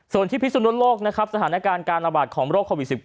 ส่วนที่พิสุนโลกนะครับสถานการณ์การระบาดของโรคโควิด๑๙